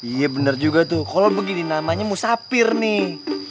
iya bener juga tuh kalo begini namanya musapir nih